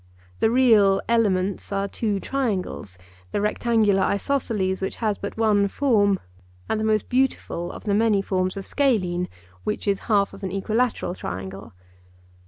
The real elements are two triangles, the rectangular isosceles which has but one form, and the most beautiful of the many forms of scalene, which is half of an equilateral triangle.